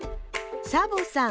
サボさん